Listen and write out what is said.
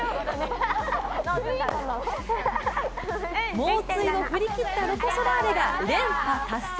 猛追を振り切ったロコ・ソラーレが連覇達成。